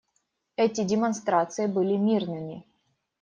Эти демонстрации были мирными.